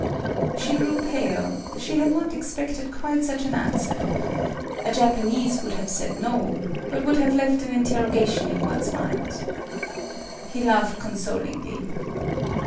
She grew pale; she had not expected quite such an answer. A Japanese would have said no, but would have left an interroga tion in one's mind. He laughed consolingly.